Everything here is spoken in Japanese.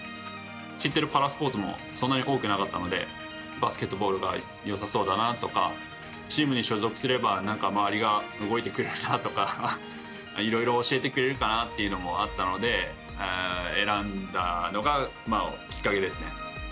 知っているパラスポーツもそんなに多くなかったのでバスケットボールがよさそうだなとかチームに所属すれば周りが動いてくれるなとかいろいろ教えてくれるかなというのもあったので選んだのがきっかけですね。